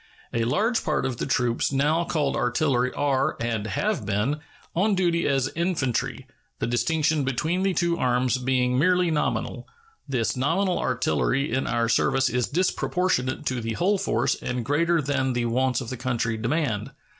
A large part of the troops now called artillery are, and have been, on duty as infantry, the distinction between the two arms being merely nominal. This nominal artillery in our service is disproportionate to the whole force and greater than the wants of the country demand.